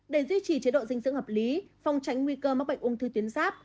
để duy trì chế độ dinh dưỡng hợp lý phòng tránh nguy cơ mắc bệnh ung thư tuyến giáp